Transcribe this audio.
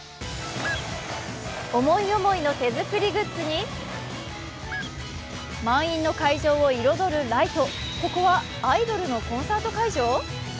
思い思いの手作りグッズに満員の海上を彩るライト、ここはアイドルのコンサート会場？